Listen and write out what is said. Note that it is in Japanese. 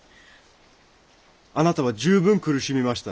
あなたは十分苦しみました。